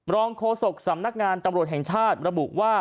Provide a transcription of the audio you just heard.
โฆษกสำนักงานตำรวจแห่งชาติระบุว่า